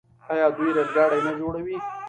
آیا دوی ریل ګاډي نه جوړوي؟